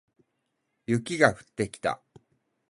雪が降ってきた